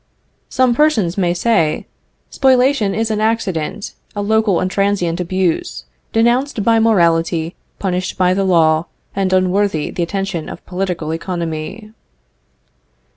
Some persons may say: "Spoliation is an accident, a local and transient abuse, denounced by morality, punished by the law, and unworthy the attention of political economy."